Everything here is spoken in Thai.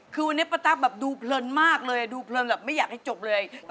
คือวันนี้ปต๊ากดูเพลินมากเลยดูเพลินแหละไม่อยากจบเลย